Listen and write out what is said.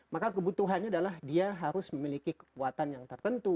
maka kebutuhannya adalah dia harus memiliki kekuatan yang tertentu